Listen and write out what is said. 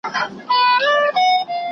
آیا مسموم شوي کسانو ته خواړه ورکول کیږي؟